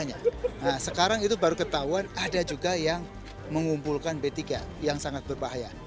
nah sekarang itu baru ketahuan ada juga yang mengumpulkan b tiga yang sangat berbahaya